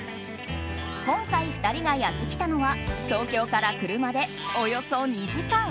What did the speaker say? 今回、２人がやってきたのは東京から車でおよそ２時間。